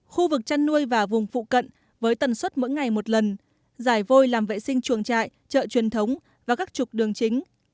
khu vực chăn nuôi và vùng phụ cận với tần suất mỗi ngày một lần giải vôi làm vệ sinh chuồng trại chợ truyền thống và các trục đường chính